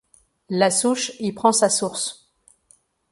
La Souche y prend sa source.